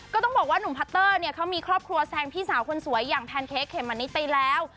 ก็ต้องบอกว่าหนุ่มพัตเตอร์เนี่ยเขามีครอบครัวแซงพี่สาวคนสวยอย่างแพนเค้กเขมมะนิดไปแล้ว